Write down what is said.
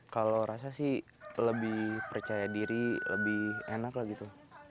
kalau rasa sih lebih percaya diri lebih enak lah gitu